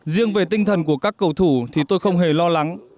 riêng về tinh thần của các cầu thủ thì tôi không hề lo lắng